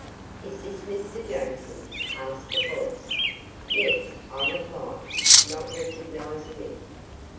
"Is this Mr. Jameson?" asked the voice. "Yes," I replied, not recognizing it.